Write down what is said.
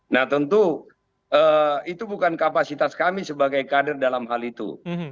nah tentu itu bukan kapasitas kami sebagai kader dalam hal itu